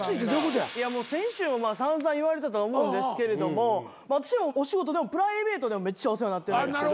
先週も散々言われたとは思うんですけれども私もお仕事でもプライベートでもお世話になってるんですけど。